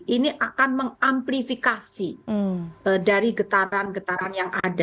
ini akan mengamplifikasi dari getaran getaran yang ada